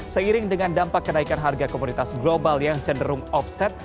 seiring dengan dampak kenaikan harga komoditas global yang cenderung offset